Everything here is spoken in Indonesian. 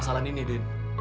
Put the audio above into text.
kalian dimana sih